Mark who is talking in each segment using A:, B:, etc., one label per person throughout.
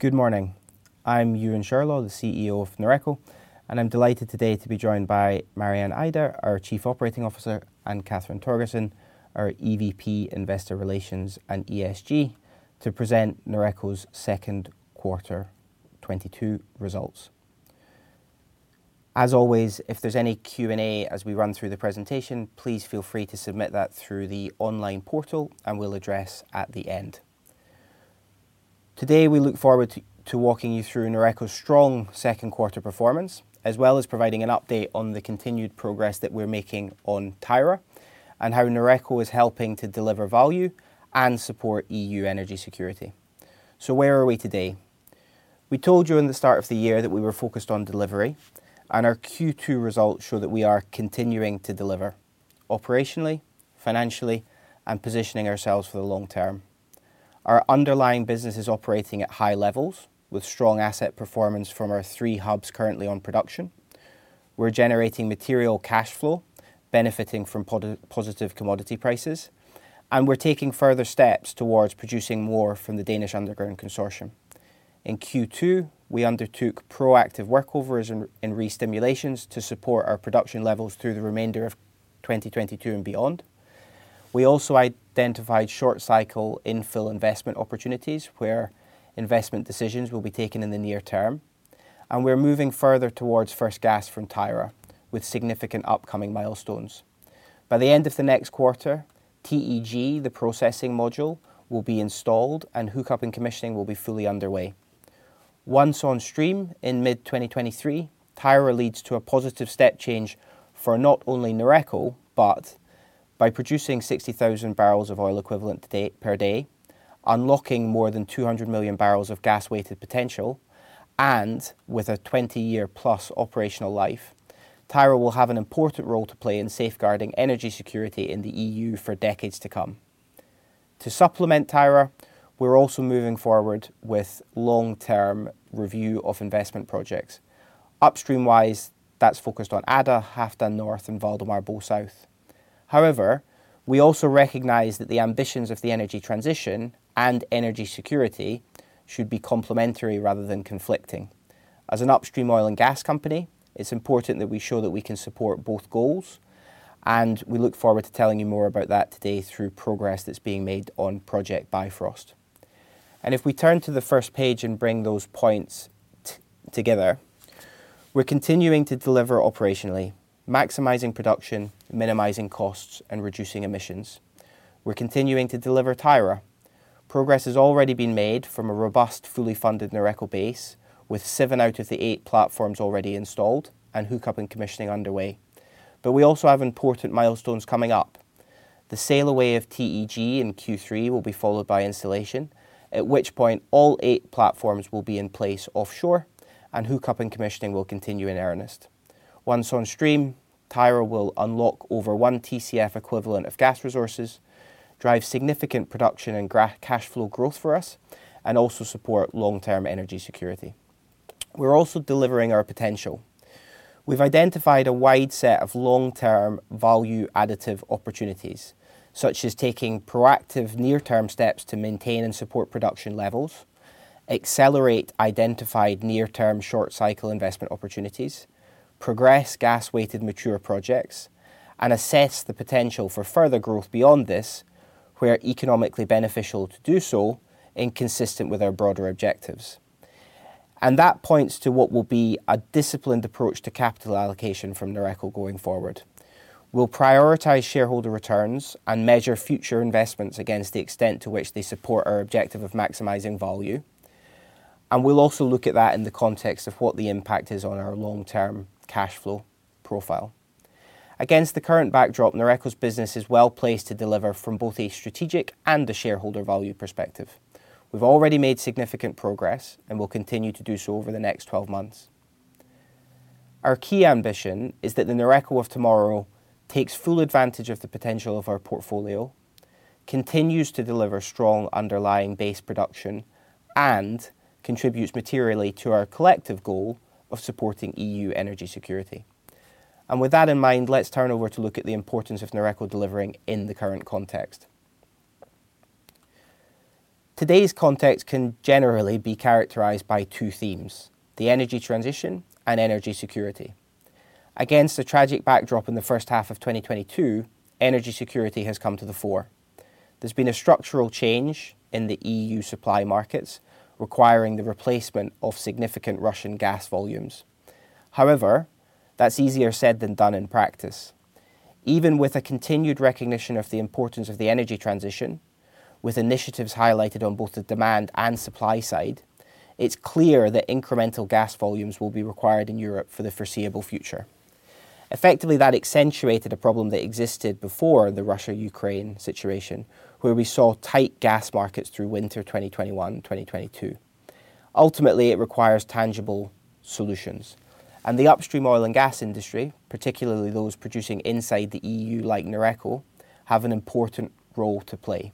A: Good morning. I'm Euan Shirlaw, the CEO of Noreco, and I'm delighted today to be joined by Marianne Eide, our Chief Operating Officer, and Cathrine Torgersen, our EVP Investor Relations and ESG, to present Noreco's second quarter 2022 results. As always, if there's any Q&A as we run through the presentation, please feel free to submit that through the online portal, and we'll address at the end. Today, we look forward to walking you through Noreco's strong second quarter performance, as well as providing an update on the continued progress that we're making on Tyra and how Noreco is helping to deliver value and support EU energy security. Where are we today? We told you in the start of the year that we were focused on delivery, and our Q2 results show that we are continuing to deliver operationally, financially, and positioning ourselves for the long term. Our underlying business is operating at high levels with strong asset performance from our three hubs currently on production. We're generating material cash flow, benefiting from positive commodity prices, and we're taking further steps towards producing more from the Danish Underground Consortium. In Q2, we undertook proactive workovers and re-stimulations to support our production levels through the remainder of 2022 and beyond. We also identified short cycle infill investment opportunities where investment decisions will be taken in the near-term, and we're moving further towards first gas from Tyra with significant upcoming milestones. By the end of the next quarter, TEG, the processing module, will be installed and hook-up and commissioning will be fully underway. Once on stream in mid-2023, Tyra leads to a positive step-change for not only Noreco, but by producing 60,000 barrels of oil equivalent per day, unlocking more than 200 million barrels of gas-weighted potential, and with a 20-year-plus operational life, Tyra will have an important role to play in safeguarding energy security in the EU for decades to come. To supplement Tyra, we're also moving forward with long-term review of investment projects. Upstream-wise, that's focused on Ada, Halfdan North, and Valdemar South. However, we also recognize that the ambitions of the energy transition and energy security should be complementary rather than conflicting. As an upstream oil and gas company, it's important that we show that we can support both goals, and we look forward to telling you more about that today through progress that's being made on Project Bifrost. If we turn to the first page and bring those points together, we're continuing to deliver operationally, maximizing production, minimizing costs, and reducing emissions. We're continuing to deliver Tyra. Progress has already been made from a robust, fully-funded Noreco base with seven out of the eight platforms already installed and hook-up and commissioning underway. We also have important milestones coming up. The sail away of TEG in Q3 will be followed by installation, at which point all eight platforms will be in place offshore and hook-up and commissioning will continue in earnest. Once on stream, Tyra will unlock over 1 Tcf equivalent of gas resources, drive significant production and cash-flow growth for us, and also support long-term energy security. We're also delivering our potential. We've identified a wide set of long-term value-additive opportunities, such as taking proactive near-term steps to maintain and support production levels, accelerate identified near-term short-cycle investment opportunities, progress gas-weighted mature projects, and assess the potential for further growth beyond this, where economically beneficial to do so and consistent with our broader objectives. That points to what will be a disciplined approach to capital allocation from Noreco going forward. We'll prioritize shareholder returns and measure future investments against the extent to which they support our objective of maximizing value, and we'll also look at that in the context of what the impact is on our long-term cash-flow profile. Against the current backdrop, Noreco's business is well placed to deliver from both a strategic and a shareholder-value perspective. We've already made significant progress and will continue to do so over the next 12 months. Our key ambition is that the Noreco of tomorrow takes full advantage of the potential of our portfolio, continues to deliver strong underlying base production, and contributes materially to our collective goal of supporting EU energy security. With that in mind, let's turn over to look at the importance of Noreco delivering in the current context. Today's context can generally be characterized by two themes, the energy transition and energy security. Against a tragic backdrop in the first half of 2022, energy security has come to the fore. There's been a structural change in the EU supply markets, requiring the replacement of significant Russian gas volumes. However, that's easier said than done in practice. Even with a continued recognition of the importance of the energy transition, with initiatives highlighted on both the demand and supply side, it's clear that incremental gas volumes will be required in Europe for the foreseeable future. Effectively, that accentuated a problem that existed before the Russia-Ukraine situation, where we saw tight gas markets through winter 2021 to 2022. Ultimately, it requires tangible solutions, and the upstream oil and gas industry, particularly those producing inside the EU like Noreco, have an important role to play.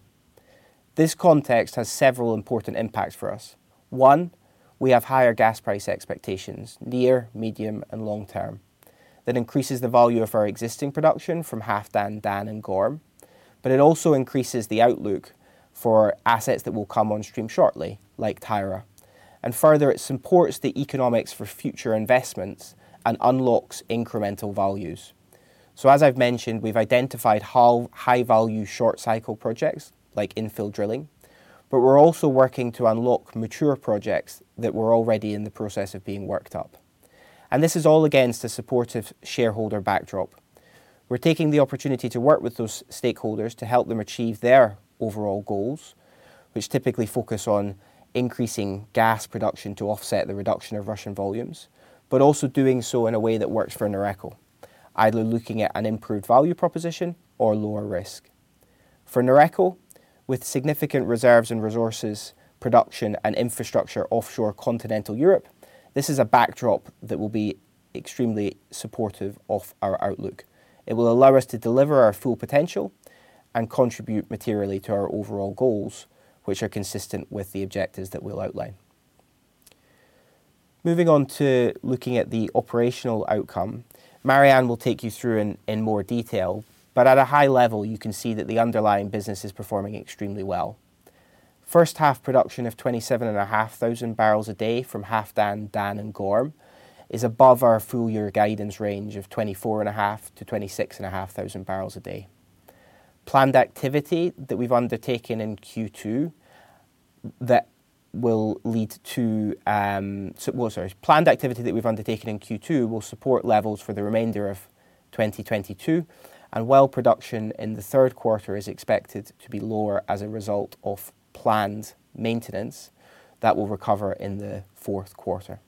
A: This context has several important impacts for us. One, we have higher gas price expectations near, medium, and long-term. That increases the value of our existing production from Halfdan, Dan, and Gorm. It also increases the outlook for assets that will come on stream shortly, like Tyra. Further, it supports the economics for future investments and unlocks incremental values. As I've mentioned, we've identified high-value short cycle projects, like infill drilling, but we're also working to unlock mature projects that were already in the process of being worked up. This is all against a supportive shareholder backdrop. We're taking the opportunity to work with those stakeholders to help them achieve their overall goals, which typically focus on increasing gas production to offset the reduction of Russian volumes, but also doing so in a way that works for Noreco, either looking at an improved value proposition or lower risk. For Noreco, with significant reserves and resources, production, and infrastructure offshore continental Europe, this is a backdrop that will be extremely supportive of our outlook. It will allow us to deliver our full potential and contribute materially to our overall goals, which are consistent with the objectives that we'll outline. Moving on to looking at the operational outcome, Marianne will take you through in more detail, but at a high level, you can see that the underlying business is performing extremely well. First half production of 27,500 barrels a day from Halfdan, Dan and Gorm is above our full-year guidance range of 24,500 to 26,500 barrels a day. Planned activity that we've undertaken in Q2 will support levels for the remainder of 2022, and well production in the third quarter is expected to be lower as a result of planned maintenance that will recover in the fourth quarter.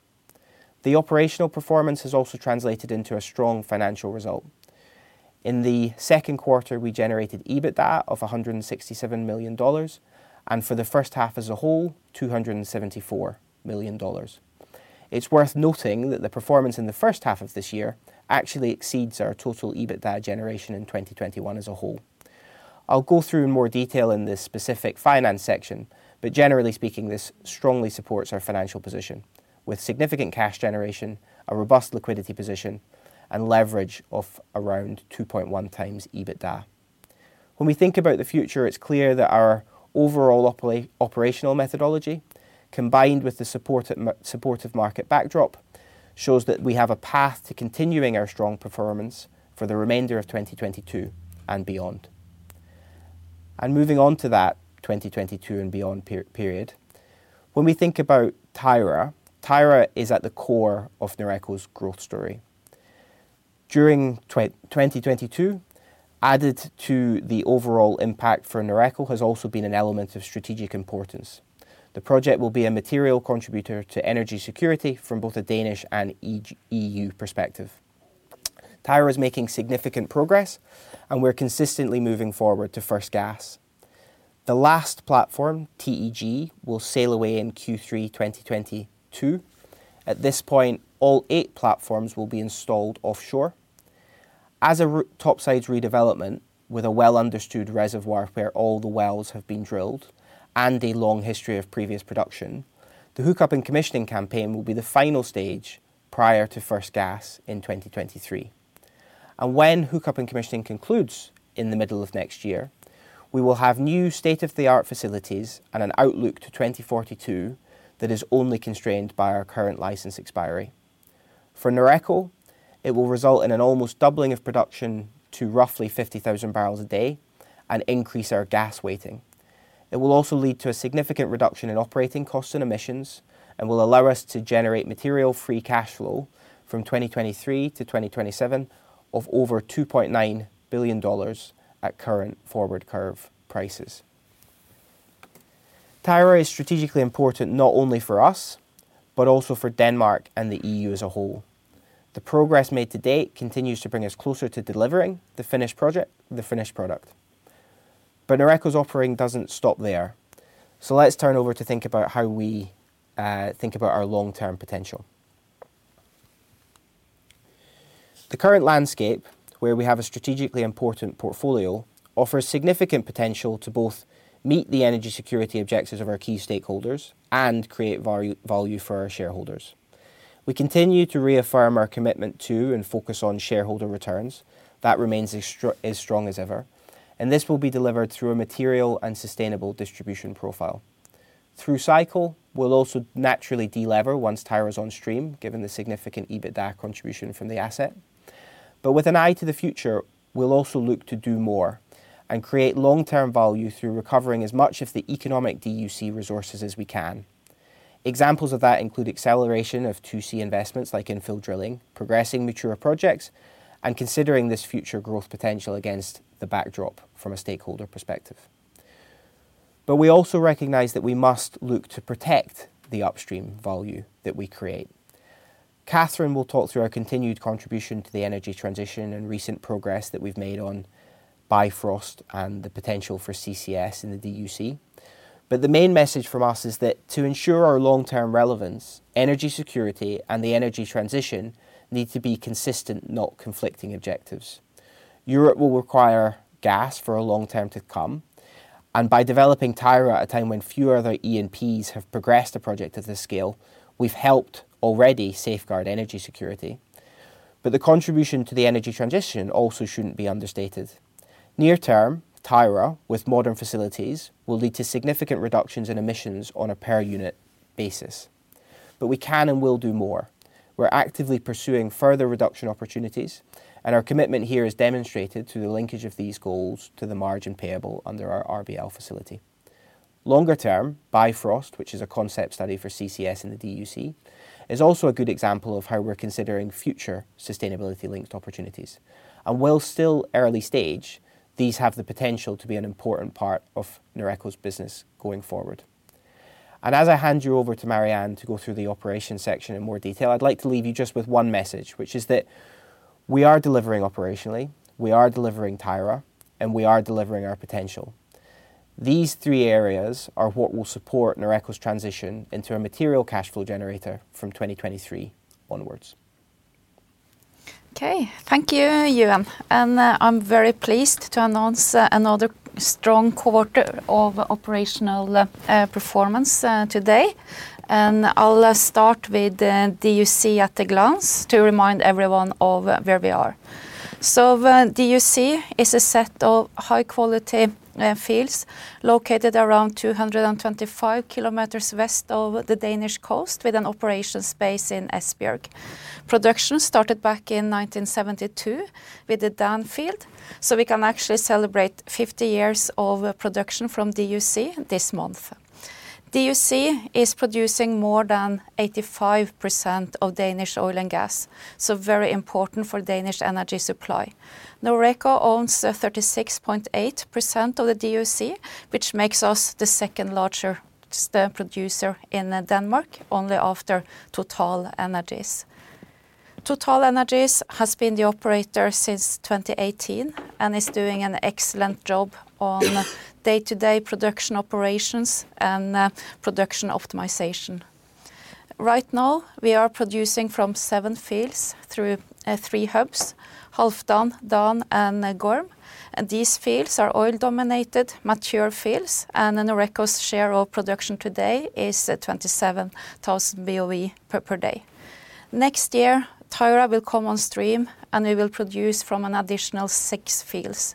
A: The operational performance has also translated into a strong financial result. In the second quarter, we generated EBITDA of $167 million, and for the first half as a whole, $274 million. It's worth noting that the performance in the first half of this year actually exceeds our total EBITDA generation in 2021 as a whole. I'll go through in more detail in the specific finance section, but generally speaking, this strongly supports our financial position. With significant cash generation, a robust liquidity position, and leverage of around 2.1x EBITDA. When we think about the future, it's clear that our overall operational methodology, combined with the supportive market backdrop, shows that we have a path to continuing our strong performance for the remainder of 2022 and beyond. Moving on to that 2022 and beyond period. When we think about Tyra is at the core of Noreco's growth story. During 2022, added to the overall impact for Noreco has also been an element of strategic importance. The project will be a material contributor to energy security from both a Danish and EU perspective. Tyra is making significant progress, and we're consistently moving forward to first gas. The last platform, TEG, will sail away in Q3 2022. At this point, all eight platforms will be installed offshore. As a topside redevelopment with a well understood reservoir where all the wells have been drilled and a long history of previous production, the hook-up and commissioning campaign will be the final stage prior to first gas in 2023. When hook-up and commissioning concludes in the middle of next year, we will have new state-of-the-art facilities and an outlook to 2042 that is only constrained by our current license expiry. For Noreco, it will result in an almost doubling of production to roughly 50,000 barrels a day and increase our gas weighting. It will also lead to a significant reduction in operating costs and emissions and will allow us to generate material-free cash flow from 2023 to 2027 of over $2.9 billion at current forward curve prices. Tyra is strategically important not only for us, but also for Denmark and the EU as a whole. The progress made to-date continues to bring us closer to delivering the finished project, the finished product. Noreco's offering doesn't stop there. Let's turn over to think about how we think about our long-term potential. The current landscape, where we have a strategically important portfolio, offers significant potential to both meet the energy security objectives of our key stakeholders and create value for our shareholders. We continue to reaffirm our commitment to and focus on shareholder returns. That remains as strong as ever, and this will be delivered through a material and sustainable distribution profile. Through cycle, we'll also naturally delever once Tyra is on stream, given the significant EBITDA contribution from the asset. With an eye to the future, we'll also look to do more and create long-term value through recovering as much of the economic DUC resources as we can. Examples of that include acceleration of 2C investments like infill drilling, progressing maturer projects, and considering this future-growth potential against the backdrop from a stakeholder perspective. We also recognize that we must look to protect the upstream value that we create. Cathrine will talk through our continued contribution to the energy transition and recent progress that we've made on Bifrost and the potential for CCS in the DUC. The main message from us is that to ensure our long-term relevance, energy security and the energy transition need to be consistent, not conflicting objectives. Europe will require gas for a long time to come. By developing Tyra at a time when few other E&Ps have progressed a project of this scale, we've helped already safeguard energy security. The contribution to the energy transition also shouldn't be understated. Near term, Tyra, with modern facilities, will lead to significant reductions in emissions on a per unit basis. We can and will do more. We're actively pursuing further reduction opportunities, and our commitment here is demonstrated through the linkage of these goals to the margin payable under our RBL facility. Longer term, Bifrost, which is a concept study for CCS in the DUC, is also a good example of how we're considering future sustainability linked opportunities. While still early stage, these have the potential to be an important part of Noreco's business going forward. As I hand you over to Marianne to go through the operations section in more detail, I'd like to leave you just with one message, which is that we are delivering operationally, we are delivering Tyra, and we are delivering our potential. These three areas are what will support Noreco's transition into a material cash flow generator from 2023 onwards.
B: Okay. Thank you, Euan. I'm very pleased to announce another strong quarter of operational performance today. I'll start with the DUC at a glance to remind everyone of where we are. DUC is a set of high-quality fields located around 225 km west of the Danish coast with an operations base in Esbjerg. Production started back in 1972 with the Dan field, so we can actually celebrate 50 years of production from DUC this month. DUC is producing more than 85% of Danish oil and gas. Very important for Danish energy supply. Noreco owns 36.8% of the DUC, which makes us the second-largest producer in Denmark, only after TotalEnergies. TotalEnergies has been the operator since 2018, and is doing an excellent job on day-to-day production operations and production optimization. Right now, we are producing from seven fields through three hubs, Halfdan, Dan, and Gorm. These fields are oil-dominated mature fields, and Noreco's share of production today is at 27,000 BOE per day. Next year, Tyra will come on stream, and we will produce from an additional six fields.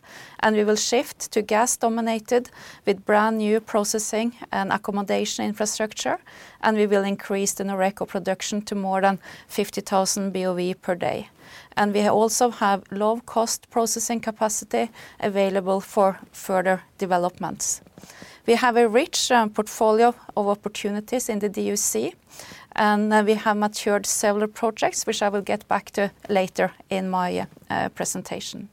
B: We will shift to gas-dominated with brand-new processing and accommodation infrastructure, and we will increase the Noreco production to more than 50,000 BOE per day. We also have low-cost processing capacity available for further developments. We have a rich portfolio of opportunities in the DUC, and we have matured several projects, which I will get back to later in my presentation.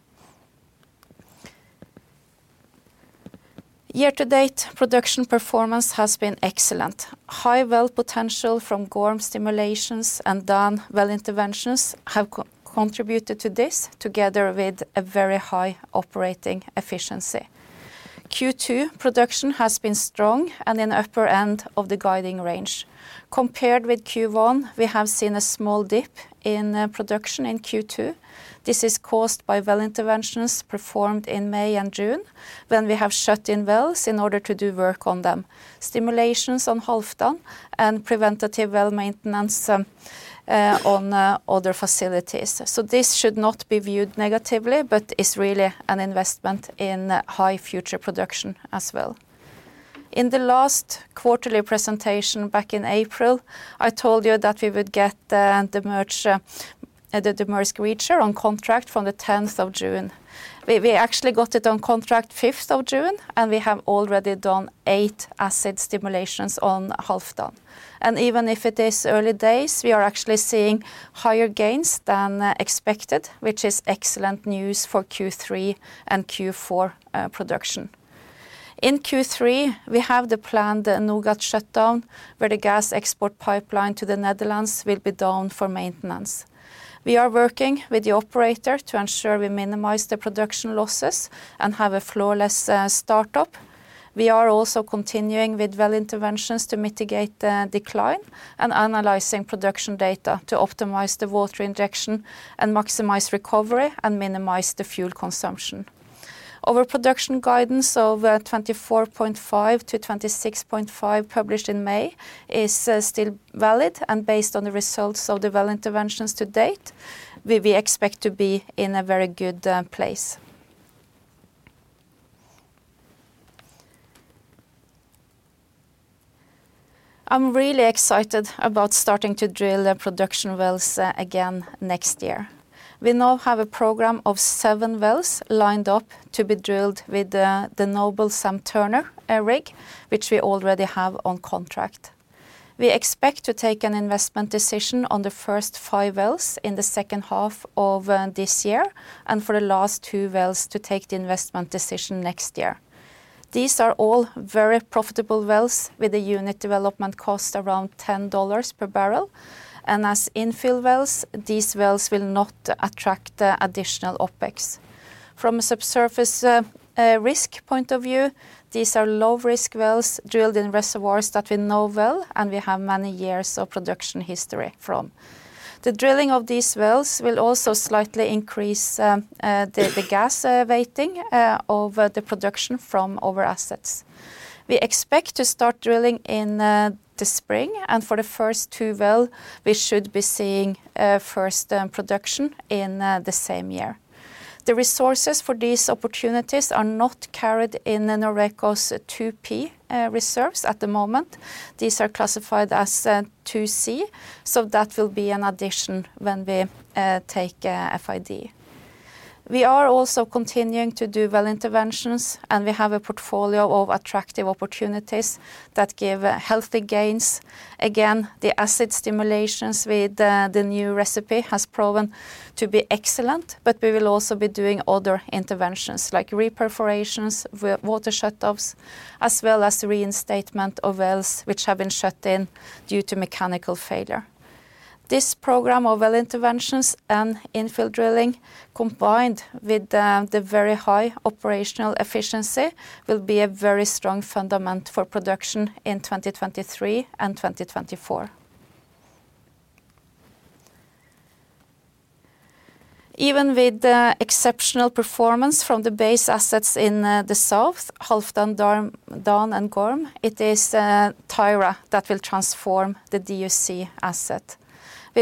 B: Year-to-date, production performance has been excellent. High well potential from Gorm stimulations and Dan well interventions have co-contributed to this, together with a very high-operating efficiency. Q2 production has been strong and in upper end of the guiding range. Compared with Q1, we have seen a small dip in production in Q2. This is caused by well interventions performed in May and June when we have shut-in wells in order to do work on them. Stimulations on Halfdan and preventative well maintenance on other facilities. This should not be viewed negatively, but it's really an investment in high-future production as well. In the last quarterly presentation back in April, I told you that we would get the rig, the Maersk Reacher on contract from the 10th of June. We actually got it on contract 5th of June, and we have already done eight acid stimulations on Halfdan. Even if it is early days, we are actually seeing higher gains than expected, which is excellent news for Q3 and Q4 production. In Q3, we have the planned NOGAT shutdown, where the gas export pipeline to the Netherlands will be down for maintenance. We are working with the operator to ensure we minimize the production losses and have a flawless startup. We are also continuing with well interventions to mitigate the decline and analyzing production data to optimize the water injection and maximize recovery and minimize the fuel consumption. Our production guidance of 24,500 to 26,500 published in May is still valid. Based on the results of the well interventions to-date, we expect to be in a very good place. I'm really excited about starting to drill the production wells again next year. We now have a program of seven wells lined up to be drilled with the Noble Sam Turner, a rig which we already have on contract. We expect to take an investment decision on the first five wells in the second half of this year and for the last two wells to take the investment decision next year. These are all very profitable wells with the unit development cost around $10 per barrel. As infill wells, these wells will not attract additional OpEx. From a subsurface risk point of view, these are low-risk wells drilled in reservoirs that we know well, and we have many years of production history from. The drilling of these wells will also slightly increase the gas rating over the production from our assets. We expect to start drilling in the spring, and for the first two well, we should be seeing first production in the same year. The resources for these opportunities are not carried in Noreco's 2P reserves at the moment. These are classified as 2C, so that will be an addition when we take FID. We are also continuing to do well interventions, and we have a portfolio of attractive opportunities that give healthy gains. Again, the acid stimulations with the new recipe has proven to be excellent, but we will also be doing other interventions like re-perforations with water shut-offs, as well as the reinstatement of wells which have been shut-in due to mechanical failure. This program of well interventions and infill drilling, combined with the very high operational efficiency, will be a very strong foundation for production in 2023 and 2024. Even with the exceptional performance from the base assets in the South, Halfdan, Dan, and Gorm, it is Tyra that will transform the DUC asset.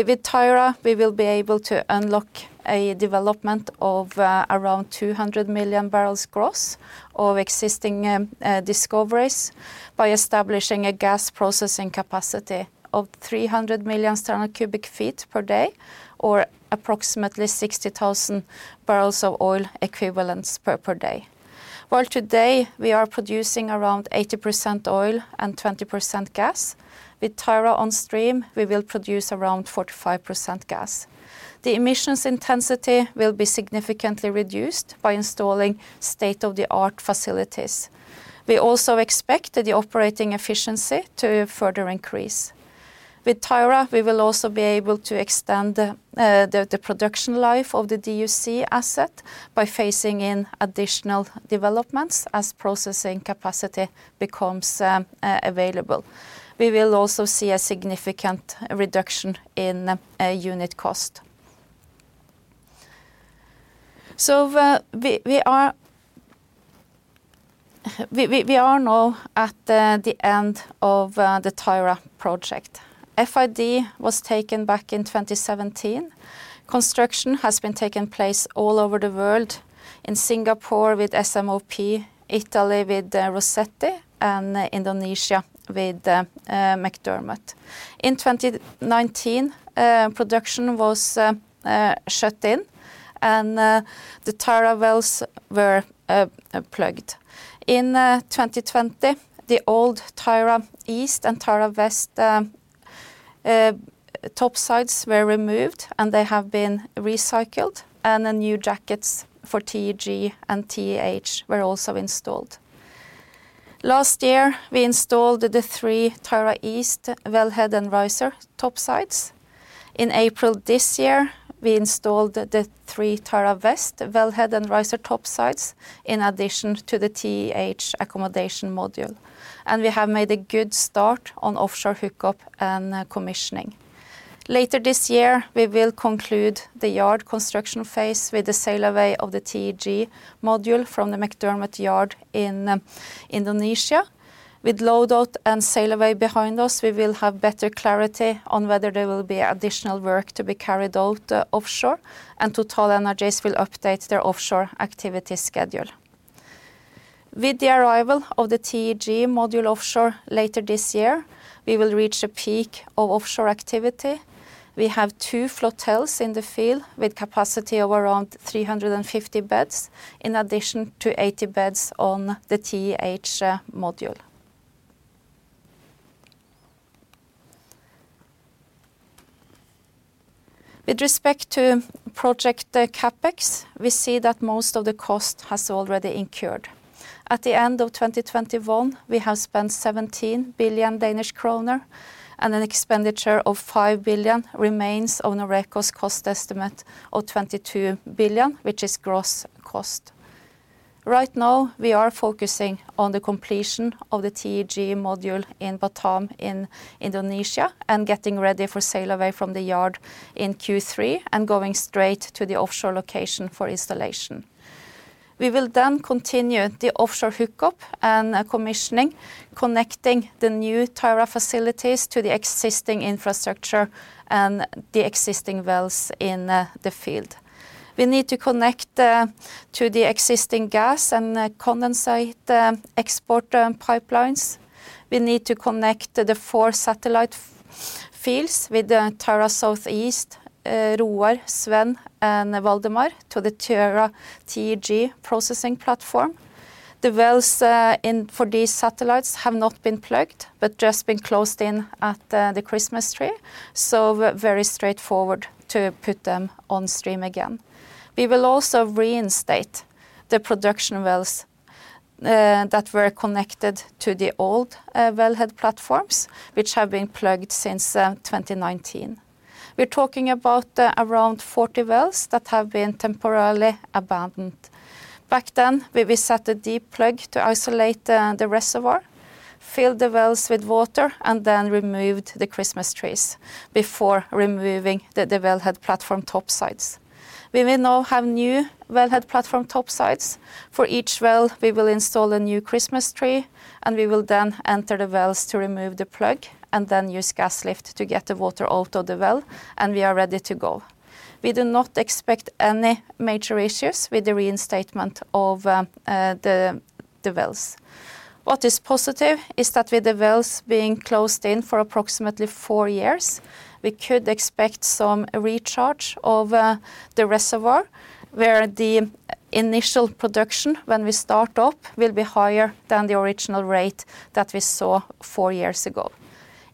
B: With Tyra, we will be able to unlock a development of around 200 million barrels gross of existing discoveries by establishing a gas-processing capacity of 300 MMscf per day, or approximately 60,000 barrels of oil equivalents per day. While today we are producing around 80% oil and 20% gas, with Tyra on stream, we will produce around 45% gas. The emissions intensity will be significantly reduced by installing state-of-the-art facilities. We also expect the operating efficiency to further increase. With Tyra, we will also be able to extend the production life of the DUC asset by phasing in additional developments as processing capacity becomes available. We will also see a significant reduction in unit cost. We are now at the end of the Tyra project. FID was taken back in 2017. Construction has been taking place all over the world, in Singapore with SMOP, Italy with Rosetti Marino, and Indonesia with McDermott. In 2019, production was shut-in, and the Tyra wells were plugged. In 2020, the old Tyra East and Tyra West topsides were removed, and they have been recycled, and the new jackets for TEG and TEH were also installed. Last year, we installed the three Tyra East wellhead and riser topsides. In April this year, we installed the three Tyra West wellhead and riser topsides in addition to the TEH accommodation module, and we have made a good start on offshore hook-up and commissioning. Later this year, we will conclude the yard construction phase with the sail away of the TEG module from the McDermott yard in Indonesia. With load out and sail away behind us, we will have better clarity on whether there will be additional work to be carried out offshore, and TotalEnergies will update their offshore activity schedule. With the arrival of the TEG module offshore later this year, we will reach a peak of offshore activity. We have two flotels in the field with capacity of around 350 beds, in addition to 80 beds on the TEH module. With respect to project CapEx, we see that most of the cost has already incurred. At the end of 2021, we have spent 17 billion Danish kroner, and an expenditure of 5 billion remains on Noreco's cost estimate of 22 billion, which is gross cost. Right now, we are focusing on the completion of the TEG module in Batam in Indonesia and getting ready for sail away from the yard in Q3 and going straight to the offshore location for installation. We will then continue the offshore hook-up and commissioning, connecting the new Tyra facilities to the existing infrastructure and the existing wells in the field. We need to connect to the existing gas and condensate export pipelines. We need to connect the four satellite fields with the Tyra South East, Roar, Svend, and Valdemar to the Tyra TEG processing platform. The wells in for these satellites have not been plugged but just been closed in at the Christmas tree, so very straightforward to put them on stream again. We will also reinstate the production wells that were connected to the old wellhead platforms which have been plugged since 2019. We're talking about around 40 wells that have been temporarily abandoned. Back then, we set a deep plug to isolate the reservoir, filled the wells with water, and then removed the Christmas trees before removing the wellhead platform topsides. We will now have new wellhead platform topsides. For each well, we will install a new Christmas tree, and we will then enter the wells to remove the plug and then use gas lift to get the water out of the well, and we are ready to go. We do not expect any major issues with the reinstatement of the wells. What is positive is that with the wells being closed in for approximately four years, we could expect some recharge of the reservoir where the initial production when we start up will be higher than the original rate that we saw four years ago.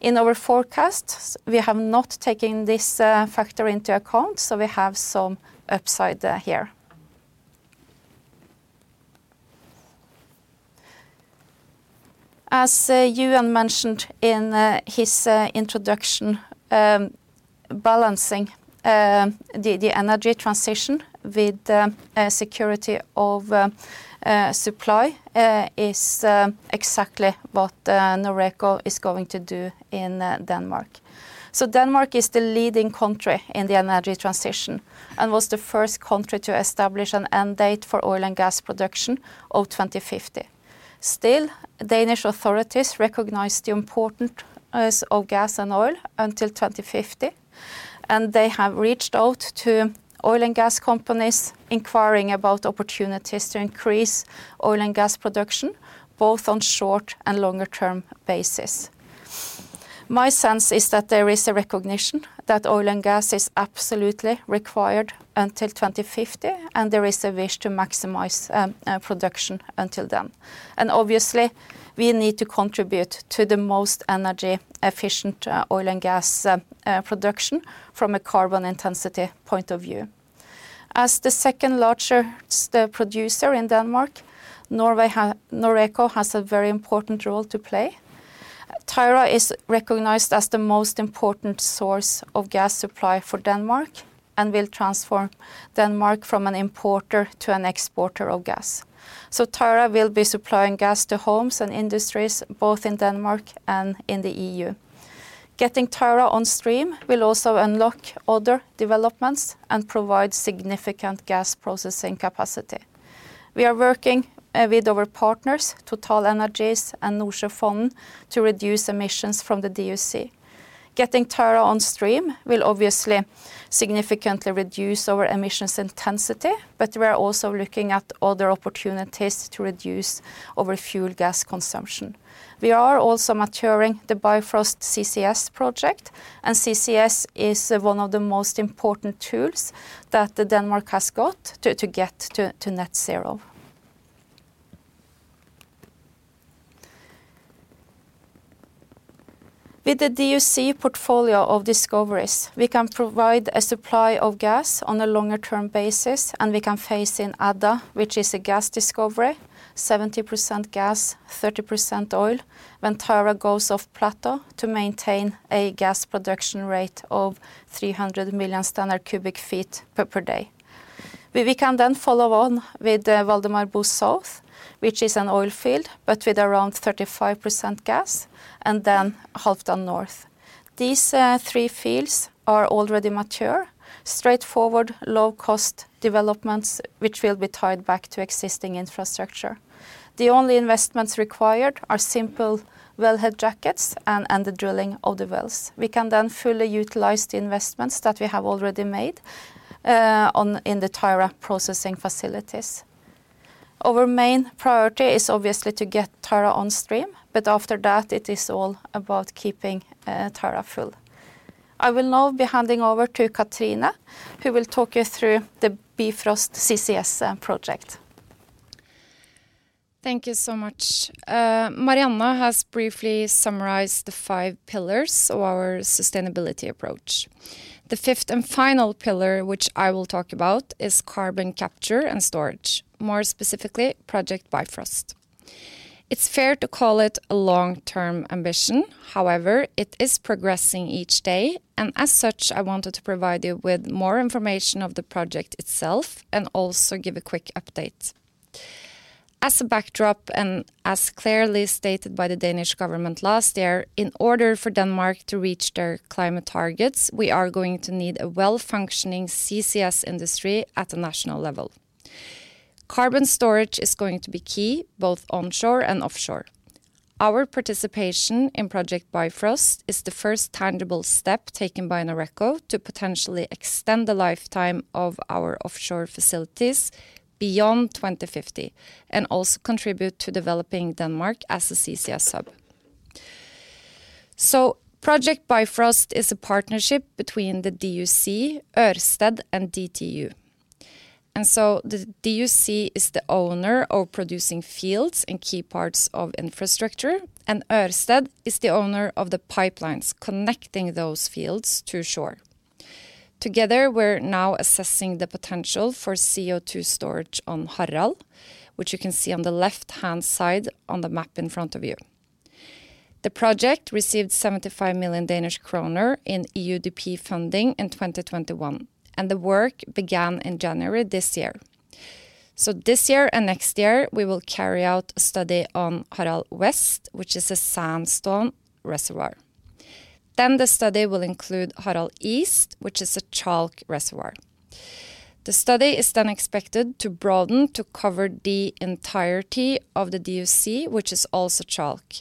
B: In our forecasts, we have not taken this factor into account, so we have some upside here. As Euan mentioned in his introduction, balancing the energy transition with security of supply is exactly what Noreco is going to do in Denmark. Denmark is the leading country in the energy transition and was the first country to establish an end date for oil and gas production of 2050. Still, Danish authorities recognize the importance of gas and oil until 2050, and they have reached out to oil and gas companies inquiring about opportunities to increase oil and gas production both on short- and longer-term basis. My sense is that there is a recognition that oil and gas is absolutely required until 2050, and there is a wish to maximize production until then. Obviously we need to contribute to the most energy efficient oil and gas production from a carbon intensity point of view. As the second largest producer in Denmark, Noreco has a very important role to play. Tyra is recognized as the most important source of gas supply for Denmark and will transform Denmark from an importer to an exporter of gas. Tyra will be supplying gas to homes and industries both in Denmark and in the EU. Getting Tyra on stream will also unlock other developments and provide significant gas processing capacity. We are working with our partners TotalEnergies and Nordsøfonden to reduce emissions from the DUC. Getting Tyra on stream will obviously significantly reduce our emissions intensity, but we are also looking at other opportunities to reduce our fuel gas consumption. We are also maturing the Bifrost CCS project, and CCS is one of the most important tools that Denmark has got to get to net zero. With the DUC portfolio of discoveries, we can provide a supply of gas on a longer-term basis, and we can phase in Ada, which is a gas discovery, 70% gas, 30% oil, when Tyra goes off plateau to maintain a gas production rate of 300 MMscf per day. We can then follow on with Valdemar South, which is an oil field, but with around 35% gas, and then Halfdan North. These three fields are already mature, straightforward, low-cost developments which will be tied back to existing infrastructure. The only investments required are simple wellhead jackets and the drilling of the wells. We can then fully utilize the investments that we have already made in the Tyra processing facilities. Our main priority is obviously to get Tyra on stream, but after that it is all about keeping Tyra full. I will now be handing over to Cathrine, who will talk you through the Bifrost CCS project.
C: Thank you so much. Marianne has briefly summarized the five pillars of our sustainability approach. The fifth and final pillar, which I will talk about, is carbon capture and storage, more specifically Project Bifrost. It's fair to call it a long-term ambition. However, it is progressing each day, and as such, I wanted to provide you with more information of the project itself and also give a quick update. As a backdrop, and as clearly stated by the Danish government last year, in order for Denmark to reach their climate targets, we are going to need a well-functioning CCS industry at a national level. Carbon storage is going to be key both onshore and offshore. Our participation in Project Bifrost is the first tangible step taken by Noreco to potentially extend the lifetime of our offshore facilities beyond 2050 and also contribute to developing Denmark as a CCS hub. Project Bifrost is a partnership between the DUC, Ørsted, and DTU. The DUC is the owner of producing fields and key parts of infrastructure, and Ørsted is the owner of the pipelines connecting those fields to shore. Together, we're now assessing the potential for CO2 storage on Harald, which you can see on the left-hand side on the map in front of you. The project received 75 million Danish kroner in EUDP funding in 2021, and the work began in January this year. This year and next year, we will carry out a study on Harald West, which is a sandstone reservoir. The study will include Harald East, which is a chalk reservoir. The study is then expected to broaden to cover the entirety of the DUC, which is also chalk.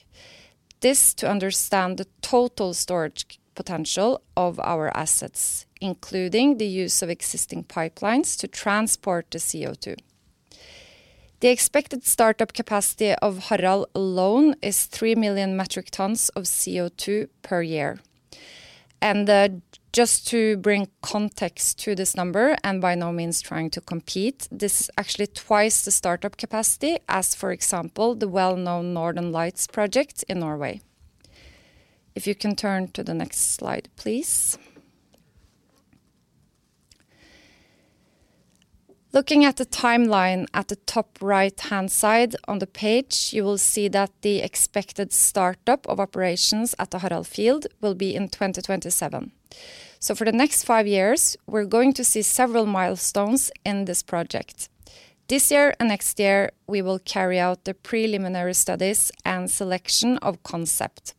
C: This to understand the total storage potential of our assets, including the use of existing pipelines to transport the CO2. The expected startup capacity of Harald alone is 3 million metric tons of CO2 per year. Just to bring context to this number, and by no means trying to compete, this is actually twice the startup capacity as, for example, the well-known Northern Lights project in Norway. If you can turn to the next slide, please. Looking at the timeline at the top right-hand side on the page, you will see that the expected startup of operations at the Harald field will be in 2027. For the next five years, we're going to see several milestones in this project. This year and next year, we will carry out the preliminary studies and selection of concept.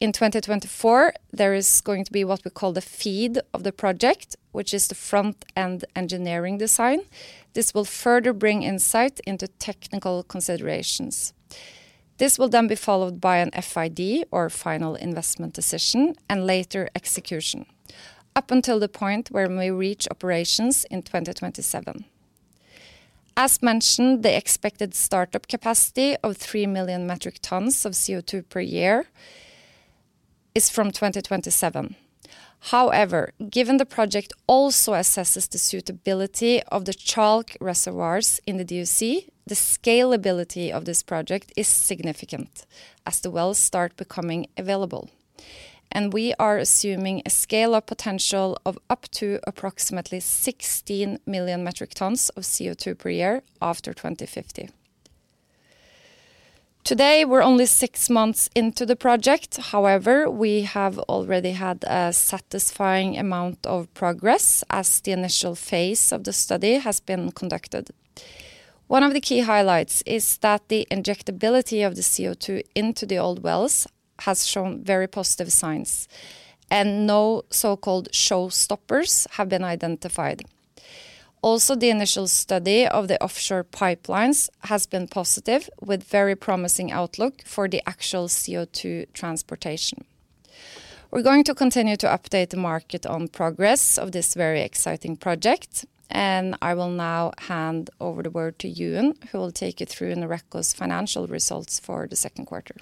C: In 2024, there is going to be what we call the FEED of the project, which is the front-end engineering design. This will further bring insight into technical considerations. This will then be followed by an FID or final investment decision and later execution, up until the point where we reach operations in 2027. As mentioned, the expected startup capacity of 3 million metric tons of CO2 per year is from 2027. However, given the project also assesses the suitability of the chalk reservoirs in the DUC, the scalability of this project is significant as the wells start becoming available. We are assuming a scale of potential of up to approximately 16 million metric tons of CO2 per year after 2050. Today, we're only six months into the project. However, we have already had a satisfying amount of progress as the initial phase of the study has been conducted. One of the key highlights is that the injectability of the CO2 into the old wells has shown very positive signs, and no so-called show stoppers have been identified. Also, the initial study of the offshore pipelines has been positive with very promising outlook for the actual CO2 transportation. We're going to continue to update the market on progress of this very exciting project, and I will now hand over the word to Euan, who will take you through Noreco's financial results for the second quarter.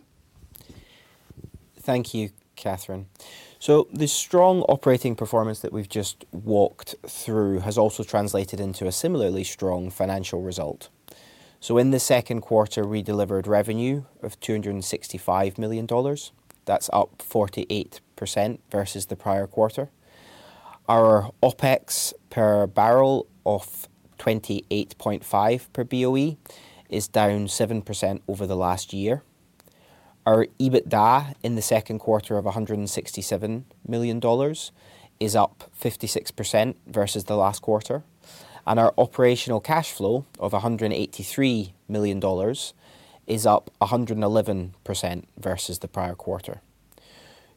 A: Thank you, Cathrine. The strong operating performance that we've just walked through has also translated into a similarly strong financial result. In the second quarter, we delivered revenue of $265 million. That's up 48% versus the prior quarter. Our OpEx per barrel of 28.5 per BOE is down 7% over the last year. Our EBITDA in the second quarter of $167 million is up 56% versus the last quarter. Our operational cash flow of $183 million is up 111% versus the prior quarter.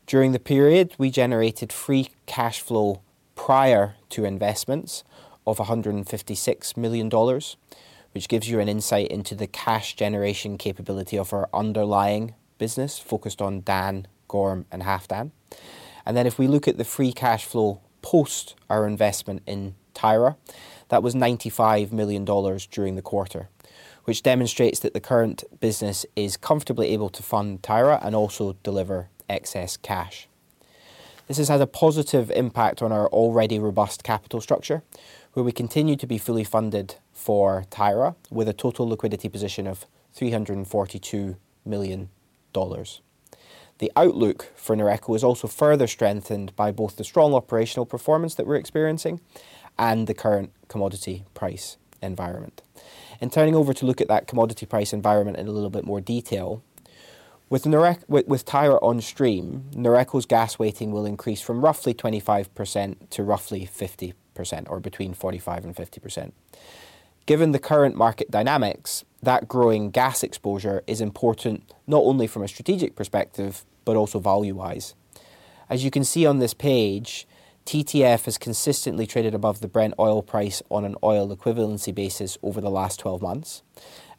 A: During the period, we generated free cash flow prior to investments of $156 million, which gives you an insight into the cash generation capability of our underlying business focused on Dan, Gorm, and Halfdan. If we look at the free cash flow post our investment in Tyra, that was $95 million during the quarter, which demonstrates that the current business is comfortably able to fund Tyra and also deliver excess cash. This has had a positive impact on our already robust capital structure, where we continue to be fully funded for Tyra with a total liquidity position of $342 million. The outlook for Noreco is also further strengthened by both the strong operational performance that we're experiencing and the current commodity price environment. Turning over to look at that commodity price environment in a little bit more detail. With Tyra on stream, Noreco's gas weighting will increase from roughly 25% to roughly 50%, or between 45% and 50%. Given the current market dynamics, that growing gas exposure is important, not only from a strategic perspective, but also value-wise. As you can see on this page, TTF has consistently traded above the Brent oil price on an oil equivalency basis over the last 12 months.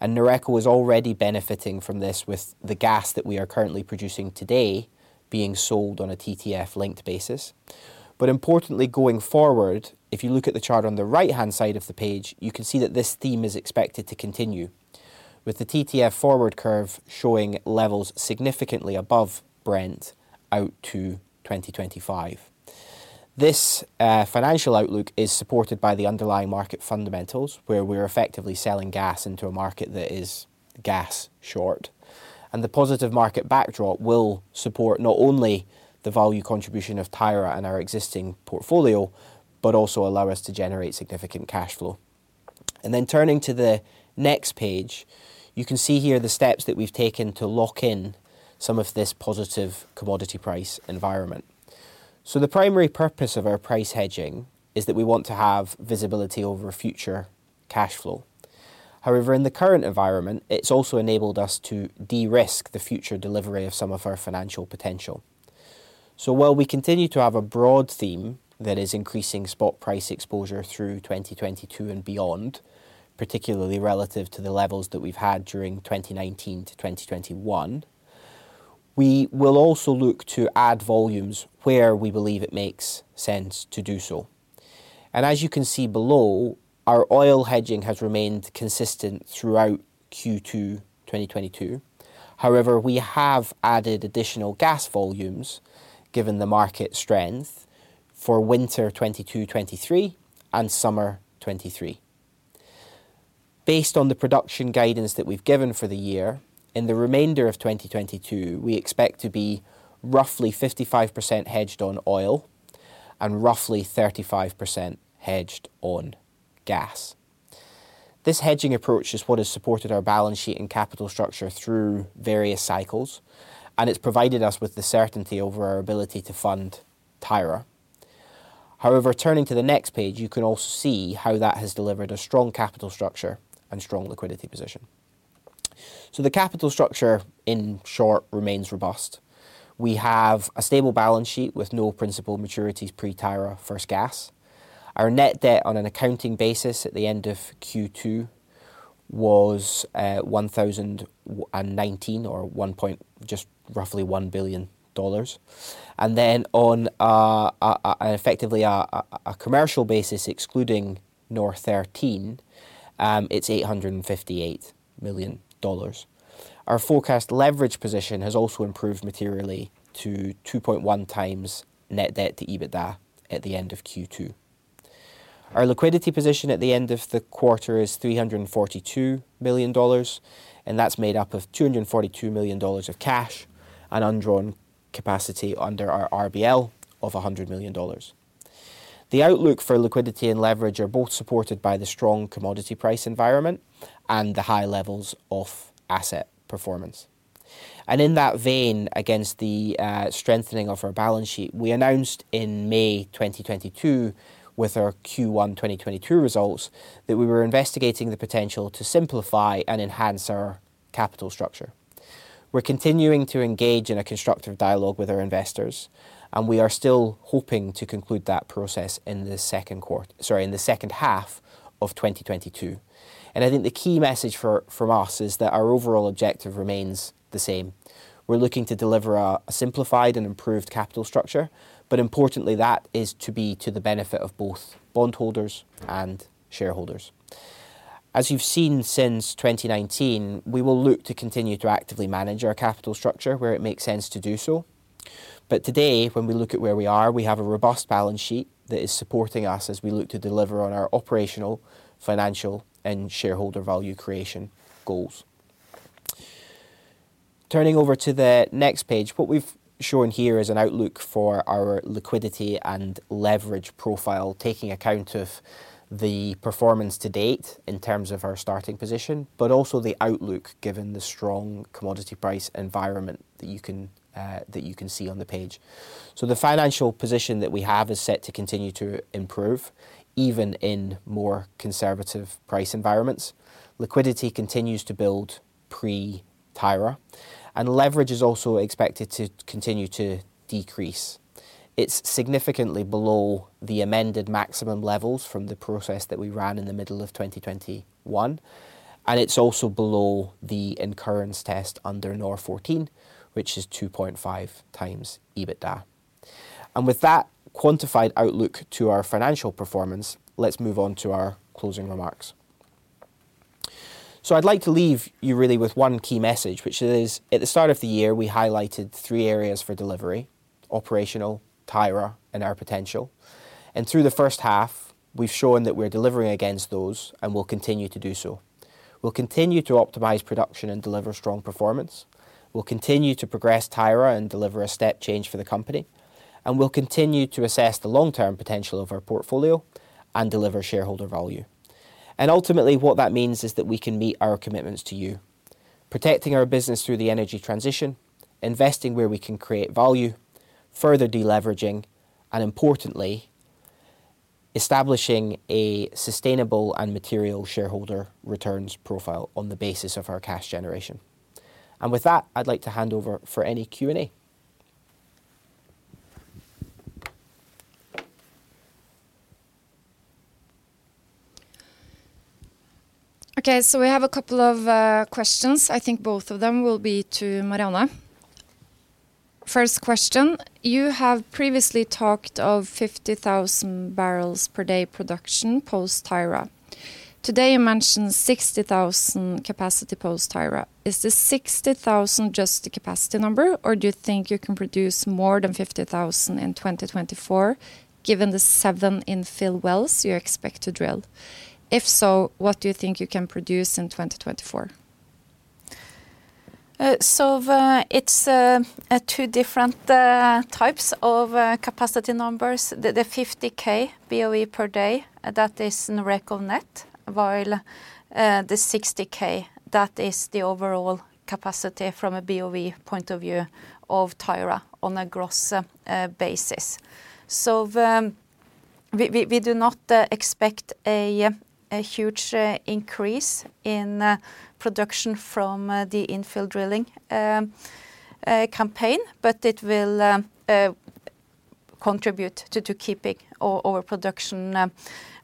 A: Noreco is already benefiting from this with the gas that we are currently producing today being sold on a TTF-linked basis. Importantly, going forward, if you look at the chart on the right-hand side of the page, you can see that this theme is expected to continue. With the TTF forward curve showing levels significantly above Brent out to 2025. This financial outlook is supported by the underlying market fundamentals, where we're effectively selling gas into a market that is gas short. The positive market backdrop will support not only the value contribution of Tyra and our existing portfolio, but also allow us to generate significant cash flow. Turning to the next page, you can see here the steps that we've taken to lock in some of this positive commodity-price environment. The primary purpose of our price hedging is that we want to have visibility over future cash flow. However, in the current environment, it's also enabled us to de-risk the future delivery of some of our financial potential. While we continue to have a broad theme that is increasing spot price exposure through 2022 and beyond, particularly relative to the levels that we've had during 2019 to 2021, we will also look to add volumes where we believe it makes sense to do so. As you can see below, our oil hedging has remained consistent throughout Q2 2022. However, we have added additional gas volumes given the market strength for winter 2022 to 2023 and summer 2023. Based on the production guidance that we've given for the year, in the remainder of 2022, we expect to be roughly 55% hedged on oil and roughly 35% hedged on gas. This hedging approach is what has supported our balance sheet and capital structure through various cycles, and it's provided us with the certainty over our ability to fund Tyra. However, turning to the next page, you can all see how that has delivered a strong capital structure and strong liquidity position. The capital structure, in short, remains robust. We have a stable balance sheet with no principal maturities pre-Tyra first gas. Our net debt on an accounting basis at the end of Q2 was $1.019 billion. On effectively a commercial basis, excluding NOR13, it's $858 million. Our forecast leverage position has also improved materially to 2.1x net debt to EBITDA at the end of Q2. Our liquidity position at the end of the quarter is $342 million, and that's made up of $242 million of cash and undrawn capacity under our RBL of $100 million. The outlook for liquidity and leverage are both supported by the strong commodity price environment and the high levels of asset performance. In that vein, against the strengthening of our balance sheet, we announced in May 2022, with our Q1 2022 results, that we were investigating the potential to simplify and enhance our capital structure. We're continuing to engage in a constructive dialogue with our investors, and we are still hoping to conclude that process in the second half of 2022. I think the key message from us is that our overall objective remains the same. We're looking to deliver a simplified and improved capital structure, but importantly, that is to be to the benefit of both bondholders and shareholders. As you've seen since 2019, we will look to continue to actively manage our capital structure where it makes sense to do so. Today, when we look at where we are, we have a robust balance sheet that is supporting us as we look to deliver on our operational, financial, and shareholder-value creation goals. Turning over to the next page, what we've shown here is an outlook for our liquidity and leverage profile, taking account of the performance to-date in terms of our starting position, but also the outlook given the strong commodity price environment that you can see on the page. The financial position that we have is set to continue to improve even in more conservative price environments. Liquidity continues to build pre-Tyra, and leverage is also expected to continue to decrease. It's significantly below the amended maximum levels from the process that we ran in the middle of 2021, and it's also below the incurrence test under NOR14, which is 2.5x EBITDA. With that quantified outlook to our financial performance, let's move on to our closing remarks. I'd like to leave you really with one key message, which is at the start of the year, we highlighted three areas for delivery, operational, Tyra, and our potential. Through the first half, we've shown that we're delivering against those and will continue to do so. We'll continue to optimize production and deliver strong performance. We'll continue to progress Tyra and deliver a step change for the company. We'll continue to assess the long-term potential of our portfolio and deliver shareholder-value. Ultimately, what that means is that we can meet our commitments to you, protecting our business through the energy transition, investing where we can create value, further deleveraging, and importantly, establishing a sustainable and material-shareholder returns profile on the basis of our cash generation. With that, I'd like to hand over for any Q&A.
C: Okay, we have a couple of questions. I think both of them will be to Marianne. First question, you have previously talked of 50,000 barrels per day production post Tyra. Today, you mentioned 60,000 capacity post Tyra. Is the 60,000 just the capacity number, or do you think you can produce more than 50,000 in 2024, given the seven infill wells you expect to drill? If so, what do you think you can produce in 2024?
B: It's two different types of capacity numbers. The 50,000 BOE per day, that is the recorded net, while the 60,000, that is the overall capacity from a BOE point of view of Tyra on a gross basis. We do not expect a huge increase in production from the infill drilling campaign. It will contribute to keeping our production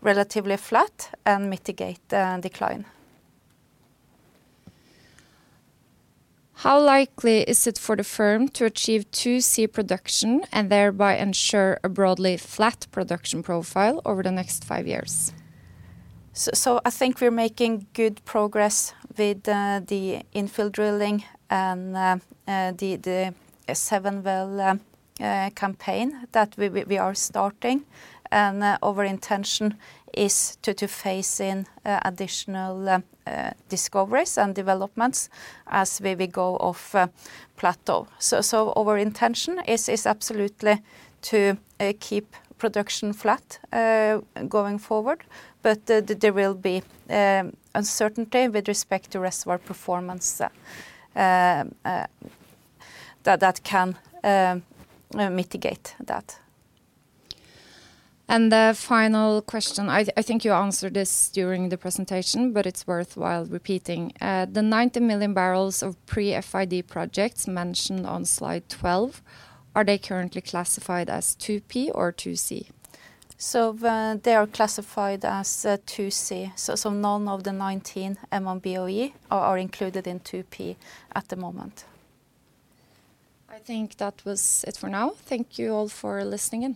B: relatively flat and mitigate the decline.
C: How likely is it for the firm to achieve 2C production and thereby ensure a broadly flat production profile over the next five years?
B: I think we're making good progress with the infill drilling and the seven-well campaign that we are starting. Our intention is to phase in additional discoveries and developments as we go off plateau. Our intention is absolutely to keep production flat going forward. There will be uncertainty with respect to reservoir performance that can mitigate that.
C: The final question, I think you answered this during the presentation, but it's worthwhile repeating. The 90 million barrels of pre-FID projects mentioned on slide 12, are they currently classified as 2P or 2C?
B: They are classified as 2C. None of the 19 MMBOE are included in 2P at the moment.
C: I think that was it for now. Thank you all for listening in.